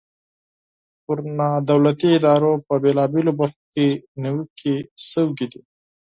پر نا دولتي ادارو په بیلابیلو برخو کې نیوکې شوي دي.